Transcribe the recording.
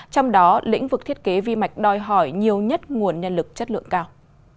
trong đó lĩnh vực thiết kế vi mạch đòi hỏi nhiều nhất nguồn nhân lực chất lượng cao